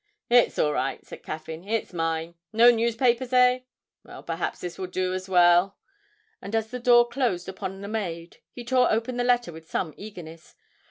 'It's all right,' said Caffyn, 'it's mine; no newspapers, eh? Well, perhaps this will do as well!' and as the door closed upon the maid he tore open the letter with some eagerness.